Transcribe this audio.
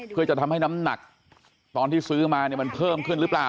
เพื่อจะทำให้น้ำหนักตอนที่ซื้อมาเนี่ยมันเพิ่มขึ้นหรือเปล่า